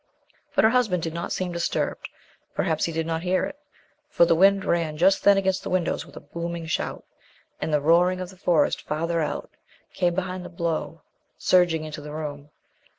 But her husband did not seem disturbed. Perhaps he did not hear it, for the wind ran just then against the windows with a booming shout, and the roaring of the Forest farther out came behind the blow, surging into the room.